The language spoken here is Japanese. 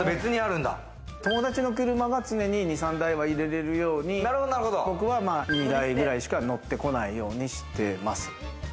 友達の車が常に２３台は入れれるように、僕は２台くらいしか乗ってこないようにしてます。